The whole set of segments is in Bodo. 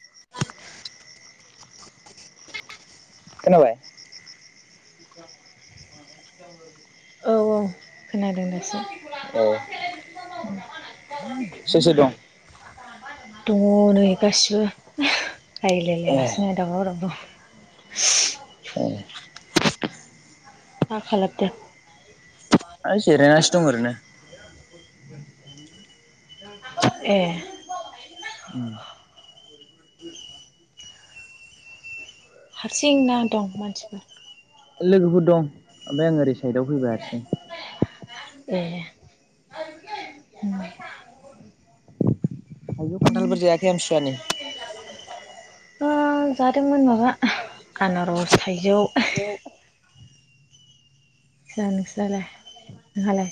[unintelligible] खोनाबाय औ औ खोनादों दासो औ सोर सोर दं दङ नै गासिबो रायलायलायगासिनो दावराव दावराव [inaudible] [unintelligible] मा खालामदों [unintelligible] जिरायनासो दं ओरैनो [inaudible] ए [inaudible] हारसिं ना दं मानसिफोर लोगोफोर दं ओमफ्राय आं ओरै साइदआव फैबाय हारसिं ए [unintelligible] थाइजौ खान्थालफोर जायाखै आमथिसुआनि ओ जादोंमोन माबा आनारस थाइजौ। नोंस्रालाय नोंहालाय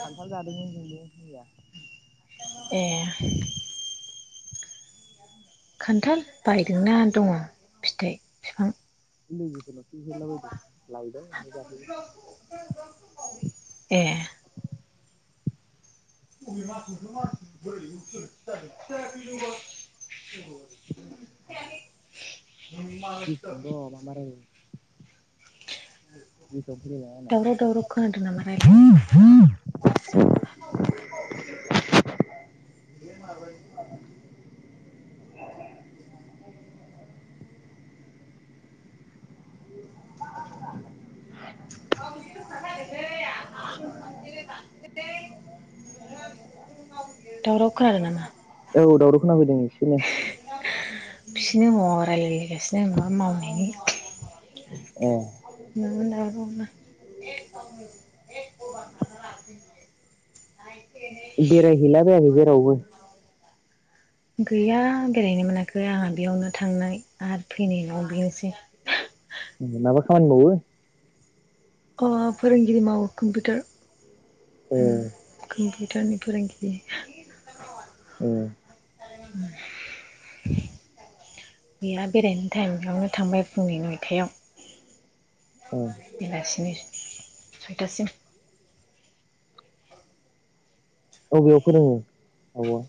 खान्थाल जादोंमोन जोंबो [unintelligible] ए खान्थाल बायदोंना दङ फिथाइ बिफां? लोगोफोरनावसो बिहरलाबायदों लायदों ओमफ्राय जाफैबाय। ए [unintelligible] [unintelligible] दावराव दावराव खोनादों नामा रायलायनाय [unintelligible] [unintelligible] [unintelligible] [unintelligible] दावराव खोनादों नामा औ दावराव खोनाफैदों एसेनो। बिसोरनो [unintelligible] राय्लायगासिनो [unintelligible] मावनाय ए [unintelligible] [unintelligible] बेरायहैला बायाखै जेराव बो गैया बेरायनो मोनाखै आंहा बेयावनो थांनाय आरो फैनायल' बेनोसै। माबा खामानि मावो? ओ फोरोंगिरि मावो कम्पिउटार। ए कम्पिउटारनि फोरोंगिरि औ [inaudible] गैया बेरायनो टाइम बेयावनो थांबाय फुंनि नयथायाव। ए बेलासिनि सयतासिम अबेयाव फोरोङो आब'आ?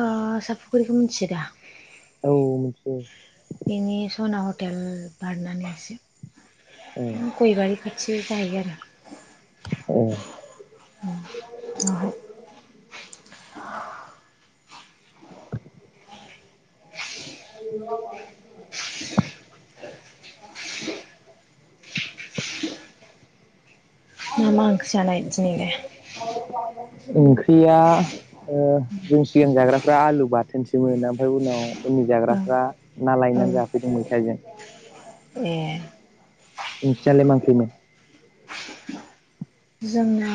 ओ सापागुरिखौ मिथियोदा? औ मोनथियो। बिनि सना हटेल बारनानै एसे ए गयबारि खाथि जाहैयो आरो ए [inaudible] [inaudible] [inaudible] [inaudible] मा मा ओंख्रि जानाय दिनैलाय [unintelligible] ओंख्रिया ओ जों सिगां जाग्राफ्रा आलु बाथोनसोमोन ओमफ्राय उनाव उननि औ जाग्राफ्रा ना औ लायनानै जाफैदों मैथाजों। ए नोंसिनालाय मा आंख्रिमोन? जोंना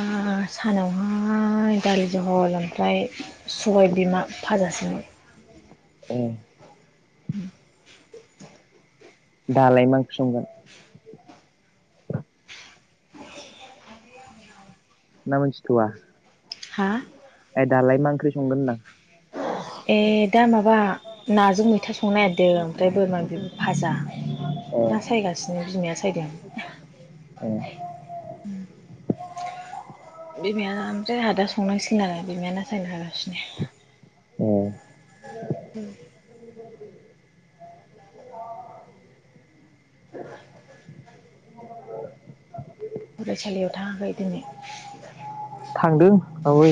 सानावहाय दालि जहल ओमफ्राय सबाय बिमा फाजासोमोन। ए [inaudible] दालाय मा ओंख्रि संगोन? ना मोनथि'था? हा ए दालाय मा ओंख्रि संगोन होनदों आं ए दा माबा नाजों मै था संनो नागिरदों ओमफ्राय बोरमा बिबु फाजा ना सायगासिनो बिमाया सायदों ए [inaudible] बिमाया ओमफ्राय आहा दा संनांसिगोन आरो बिमाया ना सायना होगासिनो। औ औ [inaudible] फरायसालियाव थाङाखै दिनै थांदों आवाय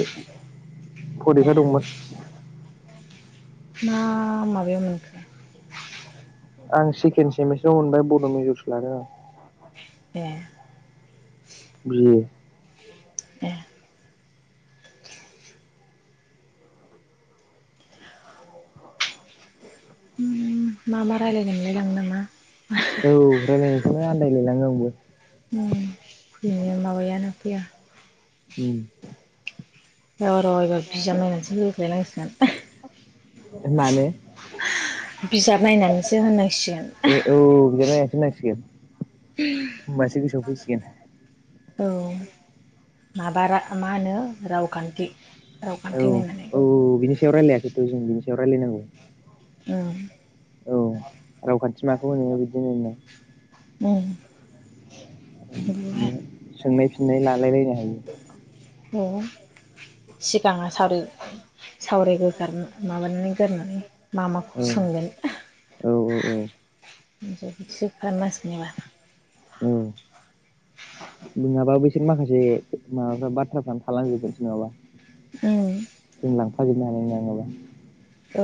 ए फरिखा दंमोन मा माबे मोनखो आं सेकेण्ड सेमिस्टार आव मोनबाय बड' मेजरसो लादों। ए बि ए ए मा मा रायलायनोंलाय [unintelligible] नामा औ रायलायनायफ्रा आन्दायलायलाङो आंबो फैनाया माबायानो फैया उम औ र एबा बिजाब नायनानैसो होख्लायनांसिगोन माने बिजाब नायनानैसो होननांसिगोन ओमबासो गोसोआव फैसिगोन । औ माबा रा मा होनो रावखान्थि औ रावखान्थि नायनानै औ औ बिनि सायाव रायलायाखैथ' जों बिनि सायाव रायलायनांगौ । औ औ रावखान्थि माखौ होनो बिदिनो होनना उम [unintelligible] ननाय लालायलायनो हायो। उम सिगाङा सावरि सावरि गोगार माबानानै गोरनानै मा माखौ औ सोंगोन [unintelligible] औ बिदिसो खालामनांसिगोन एबार औ नङाबा बै माखासे माबाखो बा थ्राफ्रानो थालांजोबगोनसो नङाबा उम जों लांफाजोबनो हानाय नङा । [unintelligible] औ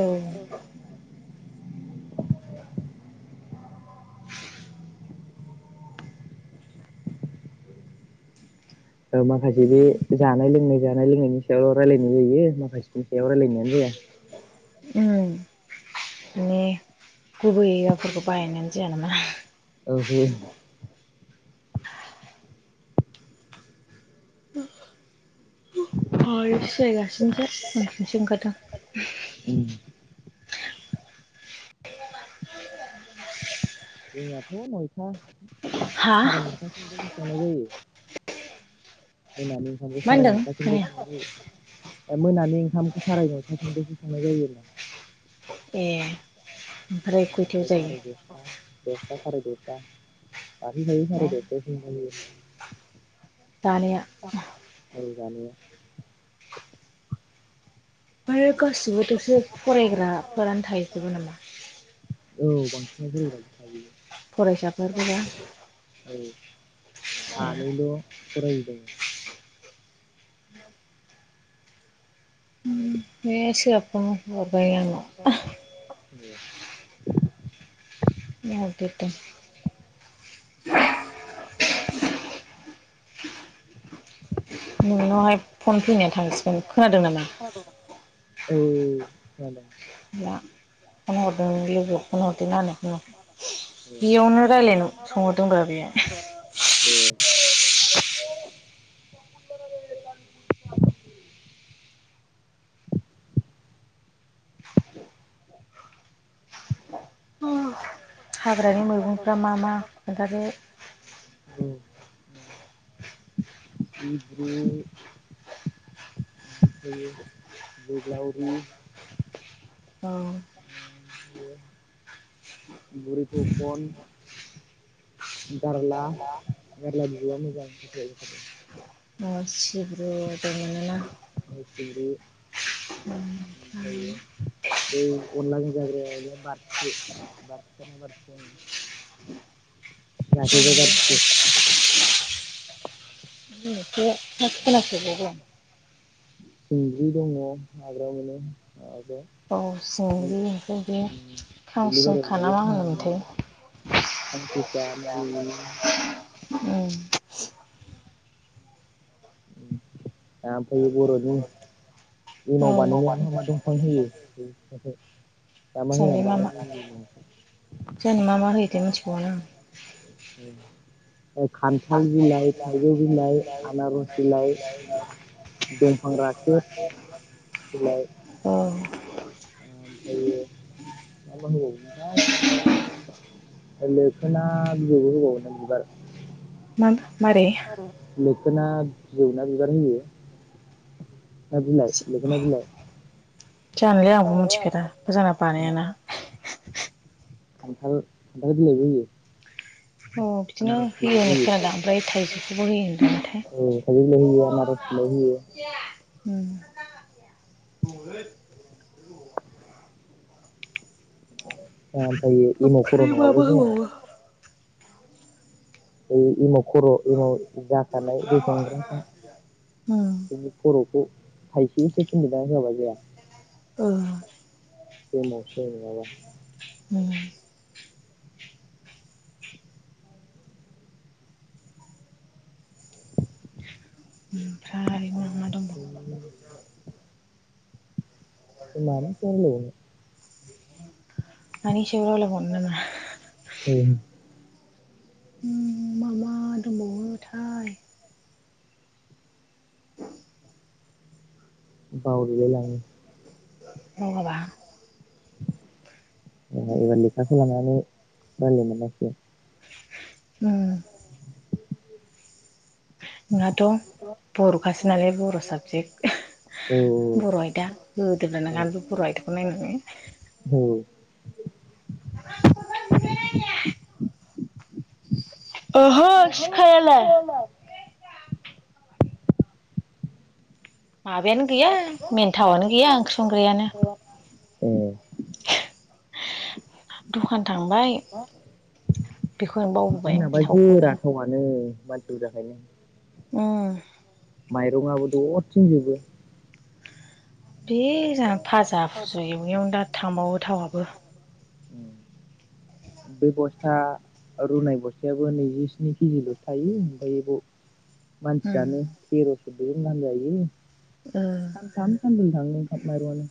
ओ माखासे बे जानाय लोंनाय जानाय लोंनायनि सायावल' रायलायनाय जायो माखासेनि सायाव रायलायनायानो जाया ओम माने गुबै रावफोरखौ बाहायनानै जाया नामा । ओहो हाय सियाय गासिनोसै उन्दुनोसो ओंखारदों आं उम जोंआथ' नयथा हा साराय नयथासोनिफ्रायनो संनाय जायो फैनानै ओंखामखौ मा साराय होनदों नयथासोनिफ्रायसो खोनाया सं [unintelligible] मोनानि ओंखामखौ साराय नयथासेनिफायसो संनाय जायो ए ओमफ्राय खयथायाव जायो सारिदसथा दसथा साराय दसथा। दाख्लैनिफायनो साराय दसथासो सहैखायो। जानाया जानाया फ्राय गासिबोथ'सो फरायग्राफोरानो थाहैजोबो नामा? औ बांसिनानो बर' बांसिन थायो। फरायसाफोरबोना? औ सानैल' फरायै दं। हे इसोर। हरबाय आंङो ए फन हरदेरदों नोंनाव हाय फन फैनाया थांसिगोन खोनादों नामा? औ खोनादों। ब्ला फन हर। नोंनि लोगोआ फन हरदेना होननायखौ नुयाखै नों। ए बेयावनो रायलायनो सोंहरदोंब्रा बे। ए हाग्रानि मैगंफ्रा मा मा खोनथादो? औ सिब्रु ओमफ्रायो जोग्लावरि औ ओमफ्रायो बुरि थखन गारला गारला बिजौया मोजां सिब्रु दं मोनना सिब्रु ओमफायो सिंब्रु ओमफ्रायो बै अनलाजों जाग्राया हले बारसिखि बारसिखा बिबारसो होनो। [unintelligible] [unintelligible] [unintelligible] दङ हाग्रायाव मोनो ओ [unintelligible] ओ औ सिंग्रि ओमफ्राय बे उम दुब्लि बारियाव खांसिंखा ना मा मोनग्राया मानि होनोमोनथाय मुनि खानसिंसा मानि मुनि । उम। ओमफाय बर'नि एमाव उम औ बानायनायावहा मा दंफां होयो बै बिफांखौ । जोंनि [unintelligible] मा मा होनानै जोंनि बानायनाय मा मा होयोथाय जायोनो मिथिबावानो आं ओं । ओ खान्थाल बिलाइ, थाइजौ बिलाइ, आनारस बिलाइ दंफां राखेब बिलाइ अ । ओमफ्रायो मा मा होबावोमोनथाय? लोखोना बिजौबो होबावोन बिबार। मा मारै? बिखोना बिजौना बिबार होयो। आबदलाय लखिल आदलाय । जानलाय आंबो मिथिखादा मोजांना बानायाना । खान्थाल-खान्थाल गेलायबोयो। अ बिदिनो होयो होनै खोनाना ओमफ्राय थाइजौखौबो होयो होनदों। औ स लहयो आनारस लहयो। [inaudible] ओमफ्राय एमाव खर ओमफ्राय माबा नङाब्राय होबावो जाया। [unintelligible] खर' एमाव जाखानाय दै संग्राफ्रा उम बिनि खर'खौ। हायसेसे थनिद जाबा गाया। औ। [unintelligible] नङाबा। औ । ओमफ्राय मा-मा दंबावगो? बि मानरलनो। मानि सायाव रायलायबावनो नामा मा-मा दंबावोथाय? आव बियो लाइ । [unintelligible] बाहा [inaudible] एबार लिखाख लानानै रायजाय मोन आरोखि। उम नोंहाथ बरखास नालाय बर साबजेक्ट औ बर आयदा होदोननानैख औ बर आयदाखौ नाय नो। औ ओहो सिखायालाय माबायानो गैया मेनथावनो गैया ओंख्रि संग्र्रियानो। औ दखान थांबाय बेखौनो बावबोबाय थावखौनो। मानसिफोर जाखायनो। ओम माइरंआबो दरथिंजोबो। बे जोंहा फाजा फुजु एवनायावनो दा थांबावो थावाबबो। बे बस्था रुनाय बस्थायाबो नैजिस्नि केजिलस थायो ओमफ्राय उम मानसियानो हिर' बे मानजायो ओ सान थाम सान ब्रैल' थाङो आ माइरंआनो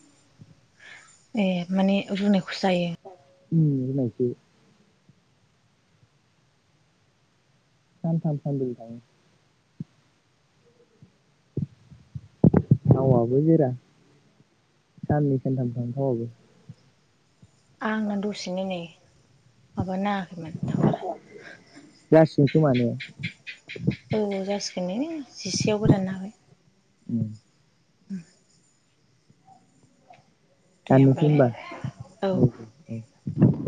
ए माने रुनाय फुसायो उम रुनायखौ सानथाम सानब्रै थाङो थावाबबो जेरा साननै सानथामफ्र थावाबो आंना दसेनो नै माबा नाङाखैमोन टावार जासिगोन खोमा ने औ जासिगोन नै नों जिसेयावबोदाननो हागोन उम उम दे दाननोसै होमबालाय होनबा औ दे औ